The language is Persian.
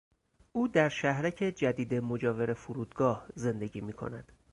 او در شهرک جدید مجاور فرودگاه زندگی میکند.